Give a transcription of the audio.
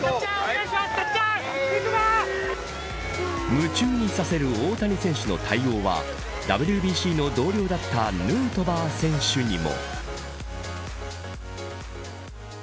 夢中にさせる大谷選手の対応はＷＢＣの同僚だったヌートバー選手にも。